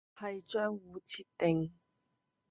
係賬戶設定